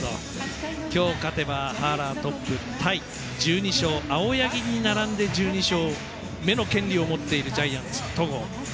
今日、勝てばハーラートップタイ１２勝、青柳に並んで１２勝目の権利を持っている戸郷。